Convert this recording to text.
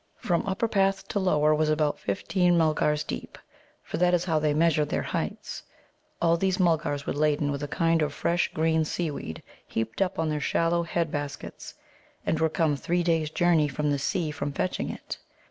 From upper path to lower was about fifteen Mulgars deep, for that is how they measure their heights. All these Mulgars were laden with a kind of fresh green seaweed heaped up on their shallow head baskets, and were come three days' journey from the sea from fetching it.